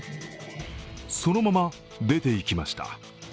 そのまま、出て行きました。